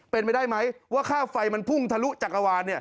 เป็นไปได้ไหมว่าค่าไฟมันพุ่งทะลุจักรวาล